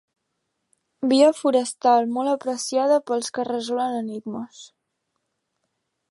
Via forestal molt apreciada pels que resolen enigmes.